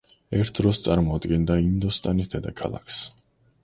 ერთ დროს წარმოადგენდა ინდოსტანის დედაქალაქს.